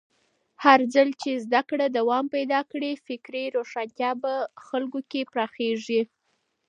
هرځل چې زده کړه دوام پیدا کړي، فکري روښانتیا په خلکو کې پراخېږي.